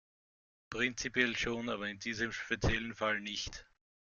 Prinzipiell schon, aber in diesem speziellen Fall nicht.